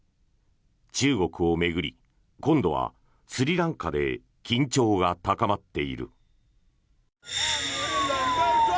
中国を巡り今度はスリランカで緊張が高まっている。